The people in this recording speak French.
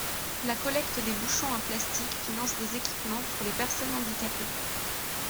La collecte des bouchons en plastique finance des équipements pour les personnes handicapées.